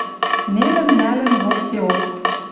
Нелӹм нӓлӹн воксеок.